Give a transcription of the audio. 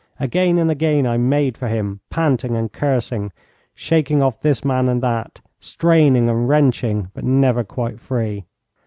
Again and again I made for him, panting and cursing, shaking off this man and that, straining and wrenching, but never quite free.